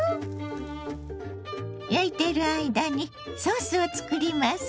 焼いている間にソースを作ります。